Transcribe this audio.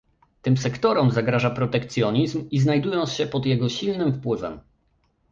Tym sektorom zagraża protekcjonizm i znajdują się pod jego silnym wpływem